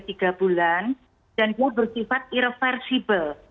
dan itu bersifat irreversibel